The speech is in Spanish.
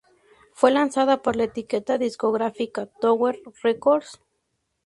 Fue lanzada por la etiqueta discográfica Tower Records.